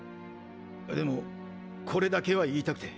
でもこれだけは言いたくて。